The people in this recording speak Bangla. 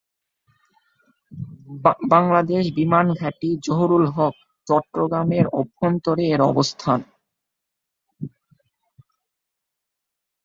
বাংলাদেশ বিমান বাহিনী ঘাঁটি, জহুরুল হক, চট্টগ্রাম এর অভ্যন্তরে এর অবস্থান।